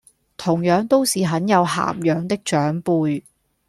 同樣都是很有涵養的長輩